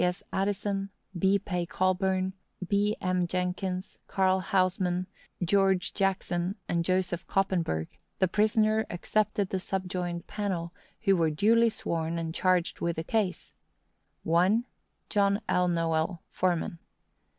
S. Addison, B. P. Colburn, B. M. Jenkins, Carl Houseman, Geo. Jackson, and Joseph Coppenberg, the prisoner accepted the subjoined panel, who were duly sworn, and charged with the case: 1. John L. Nowell, foreman.